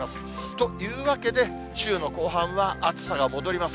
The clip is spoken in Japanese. というわけで、週の後半は暑さが戻ります。